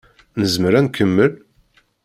Nezmer ad nkemmel?